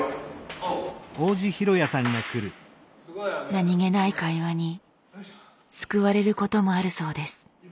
何気ない会話に救われることもあるそうです。